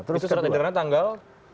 itu surat edaran tanggal